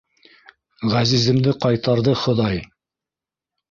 —Ғәзиземде ҡайтарҙы хоҙай!